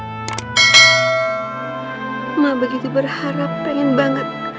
mama begitu berharap pengen banget